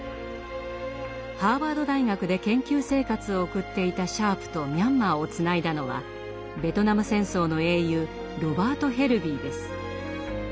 ハーバード大学で研究生活を送っていたシャープとミャンマーをつないだのはベトナム戦争の英雄ロバート・ヘルヴィーです。